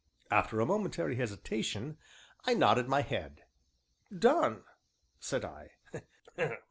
After a momentary hesitation, I nodded my head. "Done!" said I.